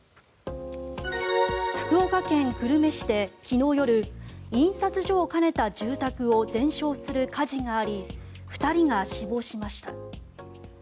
福岡県久留米市で昨日夜印刷所を兼ねた住宅を全焼する火事があり２人が死亡しました。